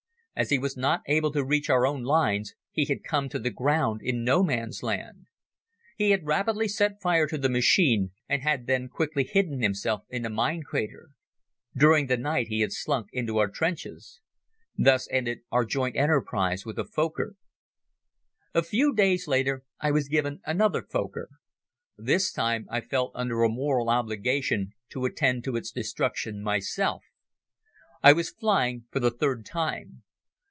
As he was not able to reach our own lines he had come to the ground in No Man's Land. He had rapidly set fire to the machine and had then quickly hidden himself in a mine crater. During the night he had slunk into our trenches. Thus ended our joint enterprise with a Fokker. A few days later I was given another Fokker. This time I felt under a moral obligation to attend to its destruction myself. I was flying for the third time.